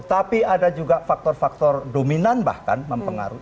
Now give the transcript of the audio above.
tapi ada juga faktor faktor dominan bahkan mempengaruhi